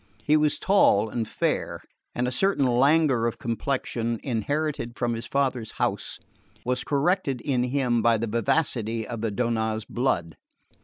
He was tall and fair, and a certain languor of complexion, inherited from his father's house, was corrected in him by the vivacity of the Donnaz blood.